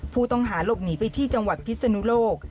ผู้ต้องหาหลบหนีไปที่จังหวัดพิศนุโลก